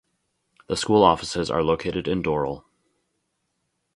The school offices are located in Doral.